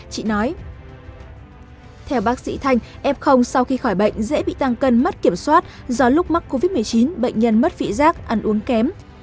trị nói theo bác sĩ thanh ép không sau khi khỏi bệnh dễ bị tăng cân mất kiểm soát do lúc mắc covid một mươi chín bệnh nhân mất vị giác ăn uống kém